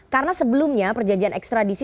karena sebelumnya perjanjian ekstradisi